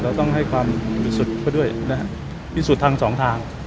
เราต้องให้ความพิสูจน์แบบสองทาง